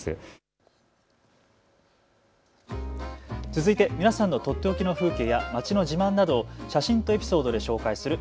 続いて皆さんのとっておきの風景や街の自慢などを写真とエピソードで紹介する＃